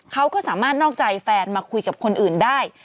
เขาก็สามารถนอกใจแฟนมาคุยกับคนอื่นได้